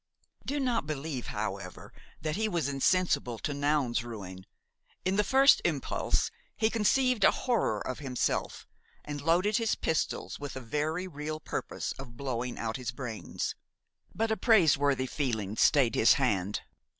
Do not believe, however, that he was insensible to Noun's ruin. In the first impulse, he conceived a horror of himself and loaded his pistols with a very real purpose of blowing out his brains; but a praiseworthy feeling stayed his hand.